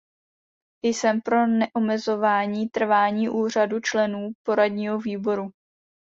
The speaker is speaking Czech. Jsem pro neomezování trvání úřadu členů poradního výboru.